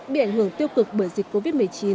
bị ảnh hưởng tiêu cực bởi dịch covid một mươi chín